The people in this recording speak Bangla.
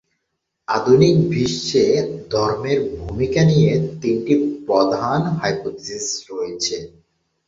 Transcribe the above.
আধুনিক বিশ্বে ধর্মের ভূমিকা নিয়ে তিনটি প্রধান হাইপোথিসিস আছে।